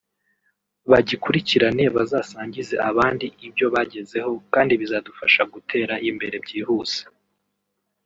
bagikurikirane bazasangize abandi ibyo bagezeho kandi bizadufasha gutera imbere byihuse